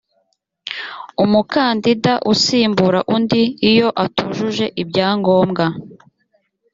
umukandida usimbura undi iyo atujuje ibyangombwa